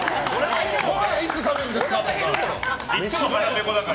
ごはんいつ食べるんですかとか。